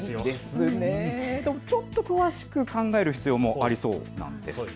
ちょっと詳しく考える必要もありそうなんです。